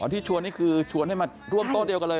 ที่ชวนนี่คือชวนให้มาร่วมโต๊ะเดียวกันเลย